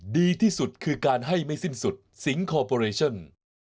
ดีที่สุดคือการให้ไม่สิ้นสุดสิงคอร์ปอเรชั่น